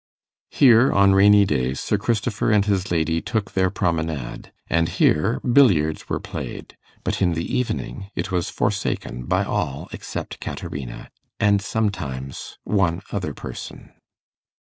Here, on rainy days, Sir Christopher and his lady took their promenade, and here billiards were played; but, in the evening, it was forsaken by all except Caterina and, sometimes, one other person.